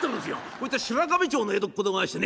こいつは白壁町の江戸っ子でございましてね」。